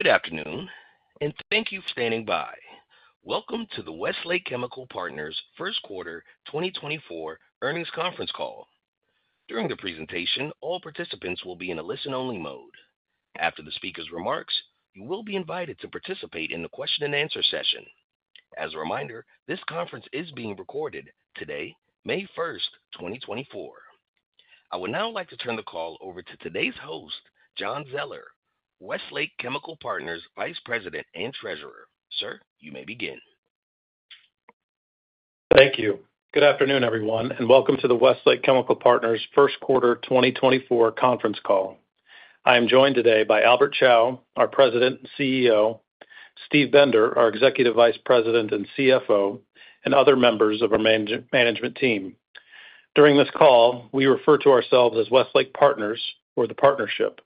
Good afternoon, and thank you for standing by. Welcome to the Westlake Chemical Partners' first quarter 2024 earnings conference call. During the presentation, all participants will be in a listen-only mode. After the speaker's remarks, you will be invited to participate in the question-and-answer session. As a reminder, this conference is being recorded today, May 1st, 2024. I would now like to turn the call over to today's host, John Zoeller, Westlake Chemical Partners' Vice President and Treasurer. Sir, you may begin. Thank you. Good afternoon, everyone, and welcome to the Westlake Chemical Partners' first quarter 2024 conference call. I am joined today by Albert Chao, our President and CEO, Steve Bender, our Executive Vice President and CFO, and other members of our management team. During this call, we refer to ourselves as Westlake Partners or the partnership.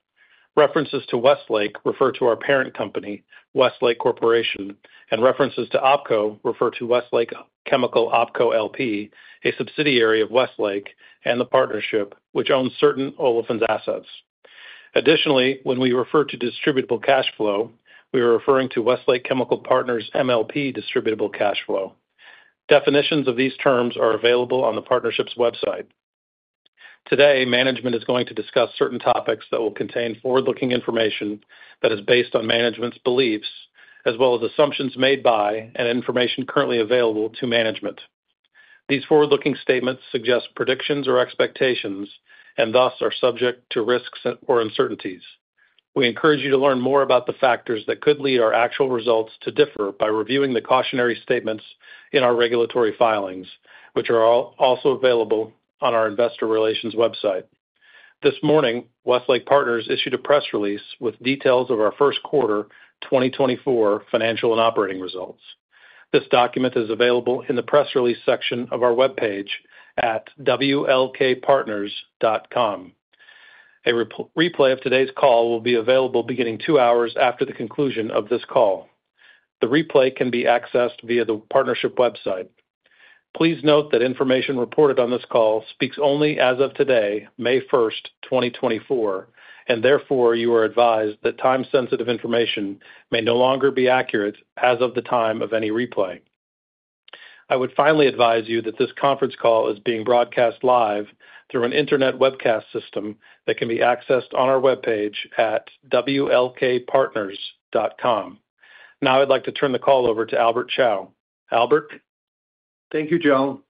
References to Westlake refer to our parent company, Westlake Corporation, and references to Opco refer to Westlake Chemical Opco LP, a subsidiary of Westlake and the partnership which owns certain olefins assets. Additionally, when we refer to distributable cash flow, we are referring to Westlake Chemical Partners MLP distributable cash flow. Definitions of these terms are available on the partnership's website. Today, management is going to discuss certain topics that will contain forward-looking information that is based on management's beliefs, as well as assumptions made by and information currently available to management. These forward-looking statements suggest predictions or expectations and thus are subject to risks or uncertainties. We encourage you to learn more about the factors that could lead our actual results to differ by reviewing the cautionary statements in our regulatory filings, which are also available on our investor relations website. This morning, Westlake Partners issued a press release with details of our first quarter 2024 financial and operating results. This document is available in the press release section of our web page at wlkpartners.com. A replay of today's call will be available beginning two hours after the conclusion of this call. The replay can be accessed via the partnership website. Please note that information reported on this call speaks only as of today, May 1st, 2024, and therefore you are advised that time-sensitive information may no longer be accurate as of the time of any replay. I would finally advise you that this conference call is being broadcast live through an internet webcast system that can be accessed on our web page at wlkpartners.com. Now I'd like to turn the call over to Albert Chao. Albert? Thank you, John.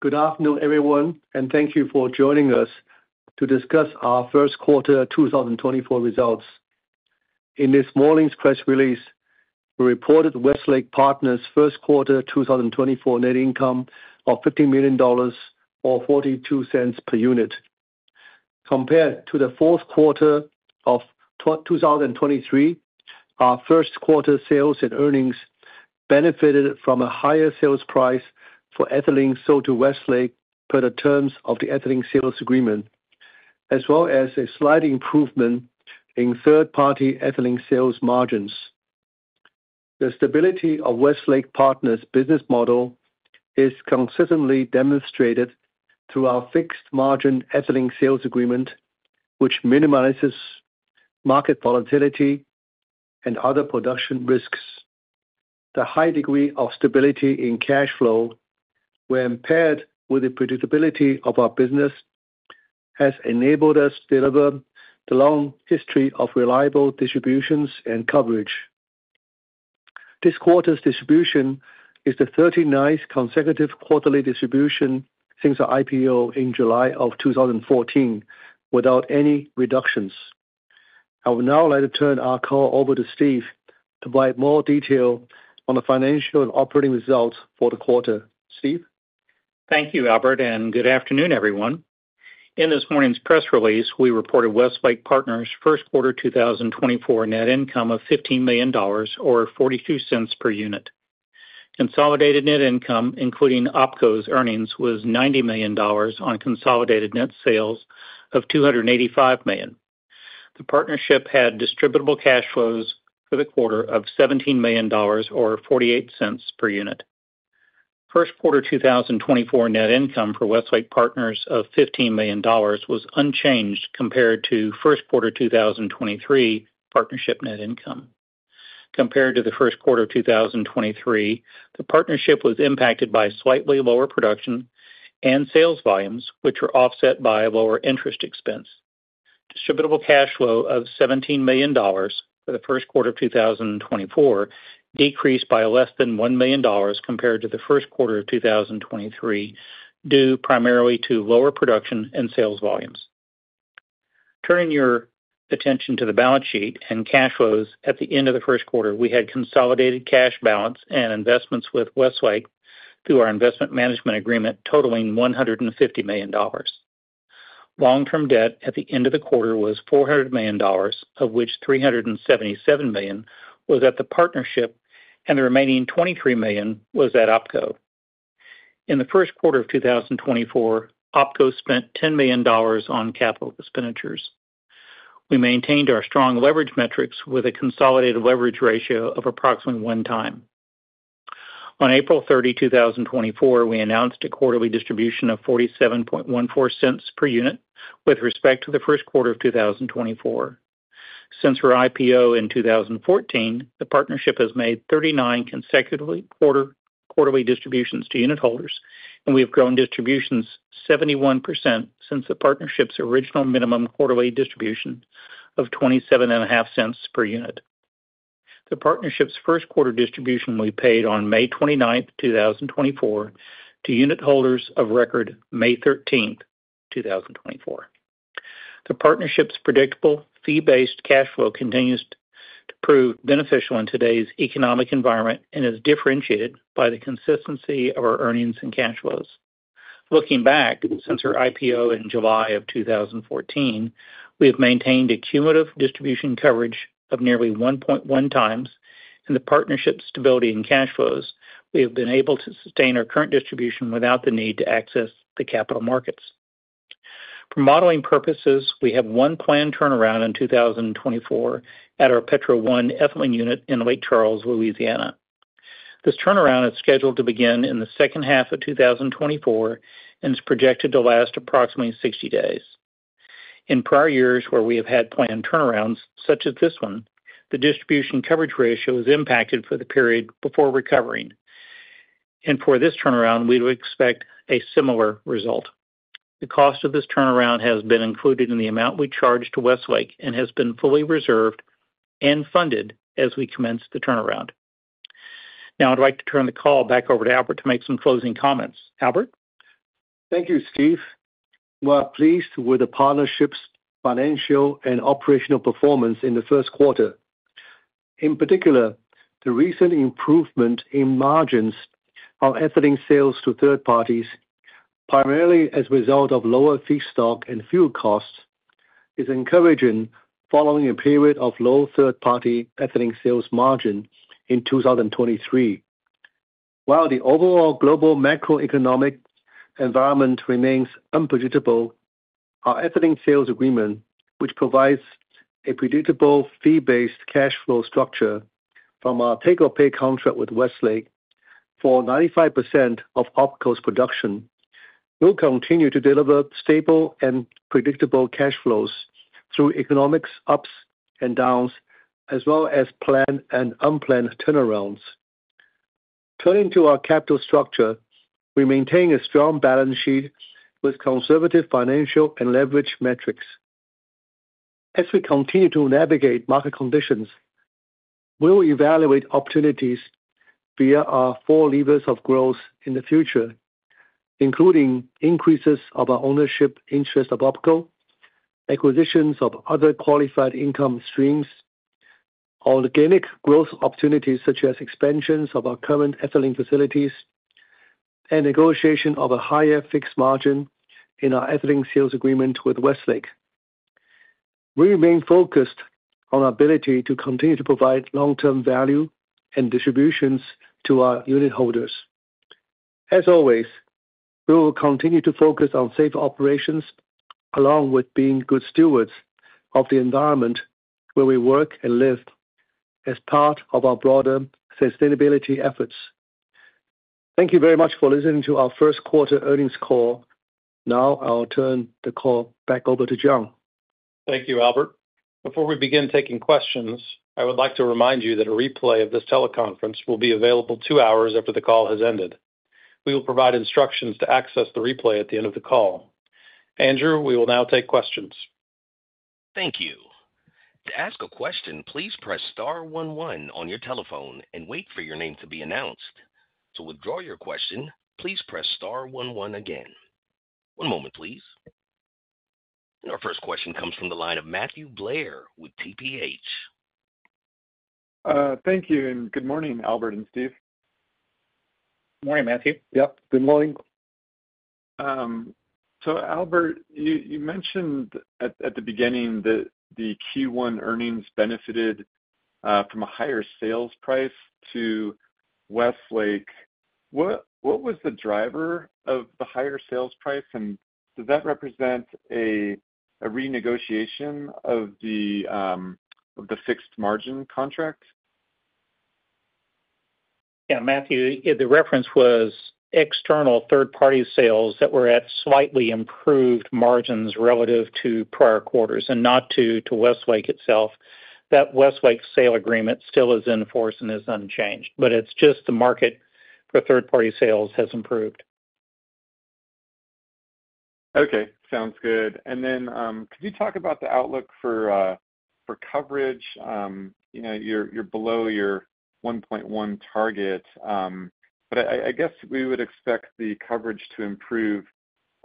Good afternoon, everyone, and thank you for joining us to discuss our first quarter 2024 results. In this morning's press release, we reported Westlake Partners' first quarter 2024 net income of $15 million or $0.42 per unit. Compared to the fourth quarter of 2023, our first quarter sales and earnings benefited from a higher sales price for ethylene sold to Westlake per the terms of the ethylene sales agreement, as well as a slight improvement in third-party ethylene sales margins. The stability of Westlake Partners' business model is consistently demonstrated through our fixed margin ethylene sales agreement, which minimizes market volatility and other production risks. The high degree of stability in cash flow, when paired with the predictability of our business, has enabled us to deliver the long history of reliable distributions and coverage. This quarter's distribution is the 39th consecutive quarterly distribution since our IPO in July of 2014 without any reductions. I would now like to turn our call over to Steve to provide more detail on the financial and operating results for the quarter. Steve? Thank you, Albert, and good afternoon, everyone. In this morning's press release, we reported Westlake Partners' first quarter 2024 net income of $15 million or $0.42 per unit. Consolidated net income, including Opco's earnings, was $90 million on consolidated net sales of $285 million. The partnership had distributable cash flows for the quarter of $17 million or $0.48 per unit. First quarter 2024 net income for Westlake Partners of $15 million was unchanged compared to first quarter 2023 partnership net income. Compared to the first quarter 2023, the partnership was impacted by slightly lower production and sales volumes, which were offset by lower interest expense. Distributable cash flow of $17 million for the first quarter of 2024 decreased by less than $1 million compared to the first quarter of 2023 due primarily to lower production and sales volumes. Turning your attention to the balance sheet and cash flows at the end of the first quarter, we had consolidated cash balance and investments with Westlake through our investment management agreement totaling $150 million. Long-term debt at the end of the quarter was $400 million, of which $377 million was at the partnership and the remaining $23 million was at Opco. In the first quarter of 2024, Opco spent $10 million on capital expenditures. We maintained our strong leverage metrics with a consolidated leverage ratio of approximately 1x. On April 30th, 2024, we announced a quarterly distribution of $0.4714 per unit with respect to the first quarter of 2024. Since our IPO in 2014, the partnership has made 39 consecutive quarterly distributions to unitholders, and we have grown distributions 71% since the partnership's original minimum quarterly distribution of $0.275 per unit. The partnership's first quarter distribution we paid on May 29th, 2024, to unitholders of record May 13th, 2024. The partnership's predictable fee-based cash flow continues to prove beneficial in today's economic environment and is differentiated by the consistency of our earnings and cash flows. Looking back since our IPO in July of 2014, we have maintained a cumulative distribution coverage of nearly 1.1 times, and the partnership's stability in cash flows, we have been able to sustain our current distribution without the need to access the capital markets. For modeling purposes, we have one planned turnaround in 2024 at our Petro 1 ethylene unit in Lake Charles, Louisiana. This turnaround is scheduled to begin in the second half of 2024 and is projected to last approximately 60 days. In prior years where we have had planned turnarounds such as this one, the distribution coverage ratio is impacted for the period before recovering. For this turnaround, we would expect a similar result. The cost of this turnaround has been included in the amount we charged to Westlake and has been fully reserved and funded as we commence the turnaround. Now I'd like to turn the call back over to Albert to make some closing comments. Albert? Thank you, Steve. We're pleased with the partnership's financial and operational performance in the first quarter. In particular, the recent improvement in margins on ethylene sales to third parties, primarily as a result of lower feedstock and fuel costs, is encouraging following a period of low third-party ethylene sales margin in 2023. While the overall global macroeconomic environment remains unpredictable, our ethylene sales agreement, which provides a predictable fee-based cash flow structure from our take-or-pay contract with Westlake for 95% of Opco's production, will continue to deliver stable and predictable cash flows through economic ups and downs, as well as planned and unplanned turnarounds. Turning to our capital structure, we maintain a strong balance sheet with conservative financial and leverage metrics. As we continue to navigate market conditions, we will evaluate opportunities via our four levers of growth in the future, including increases of our ownership interest of Opco, acquisitions of other qualified income streams, organic growth opportunities such as expansions of our current ethylene facilities, and negotiation of a higher fixed margin in our ethylene sales agreement with Westlake. We remain focused on our ability to continue to provide long-term value and distributions to our unitholders. As always, we will continue to focus on safe operations along with being good stewards of the environment where we work and live as part of our broader sustainability efforts. Thank you very much for listening to our first quarter earnings call. Now I'll turn the call back over to John. Thank you, Albert. Before we begin taking questions, I would like to remind you that a replay of this teleconference will be available two hours after the call has ended. We will provide instructions to access the replay at the end of the call. Andrew, we will now take questions. Thank you. To ask a question, please press star one one on your telephone and wait for your name to be announced. To withdraw your question, please press star one one again. One moment, please. Our first question comes from the line of Matthew Blair with TPH. Thank you and good morning, Albert and Steve. Good morning, Matthew. Yep, good morning. So, Albert, you mentioned at the beginning that the Q1 earnings benefited from a higher sales price to Westlake. What was the driver of the higher sales price, and does that represent a renegotiation of the fixed margin contract? Yeah, Matthew, the reference was external third-party sales that were at slightly improved margins relative to prior quarters and not to Westlake itself. That Westlake sales agreement still is in force and is unchanged, but it's just the market for third-party sales has improved. Okay, sounds good. And then could you talk about the outlook for coverage? You're below your 1.1 target, but I guess we would expect the coverage to improve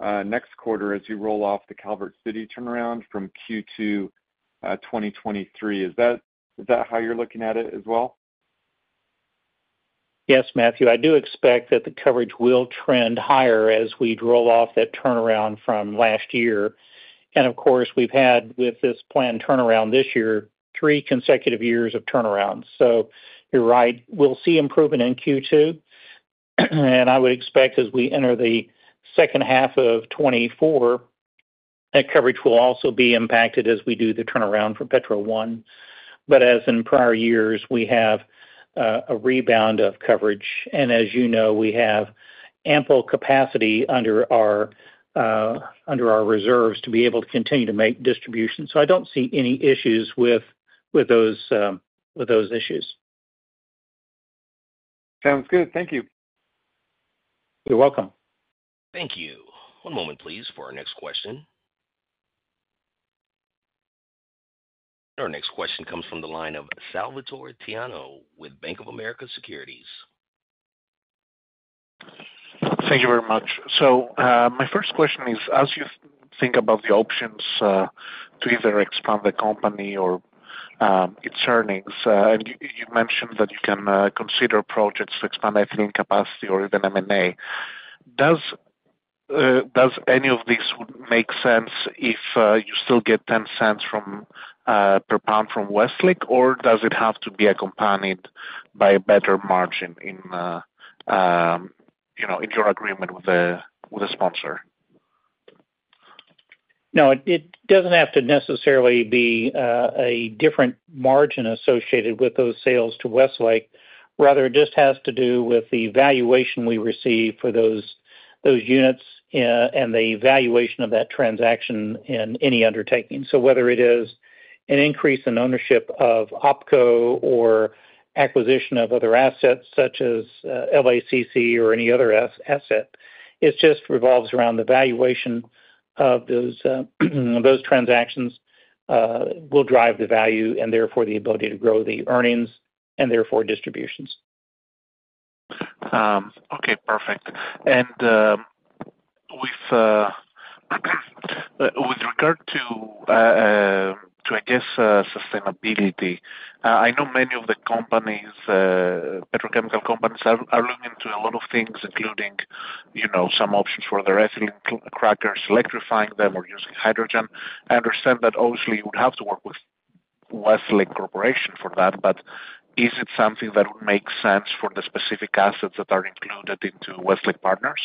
next quarter as you roll off the Calvert City turnaround from Q2 2023. Is that how you're looking at it as well? Yes, Matthew. I do expect that the coverage will trend higher as we roll off that turnaround from last year. And of course, we've had with this planned turnaround this year, three consecutive years of turnarounds. So you're right, we'll see improvement in Q2. And I would expect as we enter the second half of 2024, that coverage will also be impacted as we do the turnaround for Petro 1. But as in prior years, we have a rebound of coverage. And as you know, we have ample capacity under our reserves to be able to continue to make distributions. So I don't see any issues with those issues. Sounds good. Thank you. You're welcome. Thank you. One moment, please, for our next question. Our next question comes from the line of Salvatore Tiano with Bank of America Securities. Thank you very much. So my first question is, as you think about the options to either expand the company or its earnings, and you mentioned that you can consider projects to expand ethylene capacity or even M&A, does any of this make sense if you still get $0.10 per pound from Westlake, or does it have to be accompanied by a better margin in your agreement with the sponsor? No, it doesn't have to necessarily be a different margin associated with those sales to Westlake. Rather, it just has to do with the valuation we receive for those units and the valuation of that transaction in any undertaking. So whether it is an increase in ownership of Opco or acquisition of other assets such as LACC or any other asset, it just revolves around the valuation of those transactions will drive the value and therefore the ability to grow the earnings and therefore distributions. Okay, perfect. With regard to, I guess, sustainability, I know many of the companies, petrochemical companies, are looking into a lot of things, including some options for their ethylene crackers, electrifying them or using hydrogen. I understand that obviously you would have to work with Westlake Corporation for that, but is it something that would make sense for the specific assets that are included into Westlake Partners?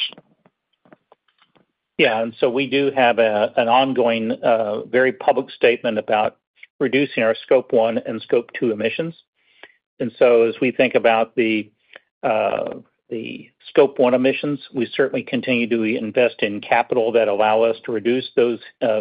Yeah. And so we do have an ongoing very public statement about reducing our Scope 1 and Scope 2 emissions. And so as we think about the Scope 1 emissions, we certainly continue to invest in capital that allow us to reduce those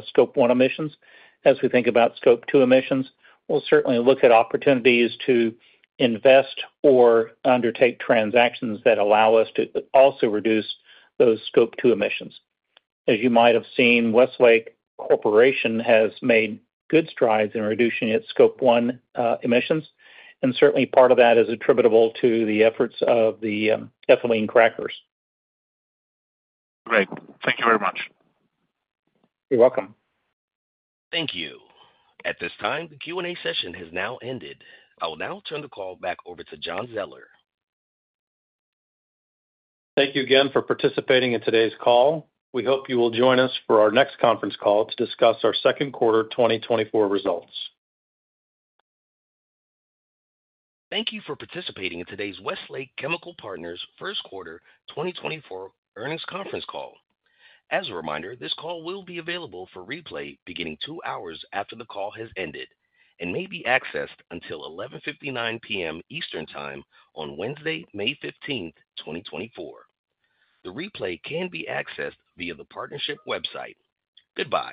Scope 1 emissions. As we think about Scope 2 emissions, we'll certainly look at opportunities to invest or undertake transactions that allow us to also reduce those Scope 2 emissions. As you might have seen, Westlake Corporation has made good strides in reducing its Scope 1 emissions. And certainly, part of that is attributable to the efforts of the ethylene crackers. Great. Thank you very much. You're welcome. Thank you. At this time, the Q&A session has now ended. I will now turn the call back over to John Zoeller. Thank you again for participating in today's call. We hope you will join us for our next conference call to discuss our second quarter 2024 results. Thank you for participating in today's Westlake Chemical Partners' first quarter 2024 earnings conference call. As a reminder, this call will be available for replay beginning two hours after the call has ended and may be accessed until 11:59 P.M. Eastern Time on Wednesday, May 15th, 2024. The replay can be accessed via the partnership website. Goodbye.